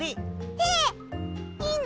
えっいいの！？